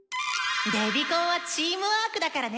デビコンはチームワークだからね！